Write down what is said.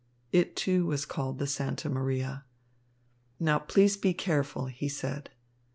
It, too, was called the Santa Maria. "Now, please be careful," he said.